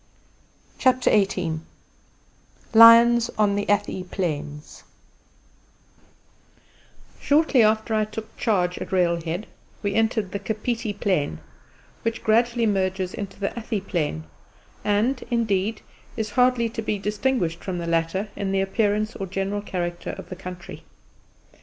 CHAPTER XVIII LIONS ON THE ATHI PLAINS Shortly after I took charge at railhead we entered the Kapiti Plain, which gradually merges into the Athi Plain, and, indeed, is hardly to be distinguished from the latter in the appearance or general character of the country.